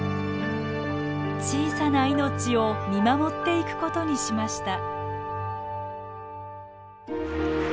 小さな命を見守っていくことにしました。